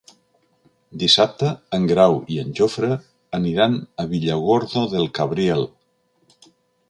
Dissabte en Grau i en Jofre aniran a Villargordo del Cabriel.